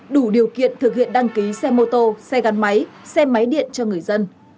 đủ điều kiện thực hiện đăng ký xe mô tô xe gắn máy xe máy điện cho người dân